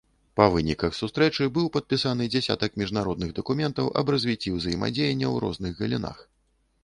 Па выніках сустрэчы быў падпісаны дзясятак міжнародных дакументаў аб развіцці ўзаемадзеяння ў розных галінах.